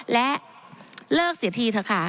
และเลิกเสียทีค่ะ